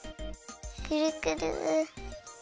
くるくる。